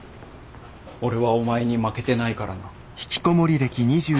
俺はお前に負けてないからな。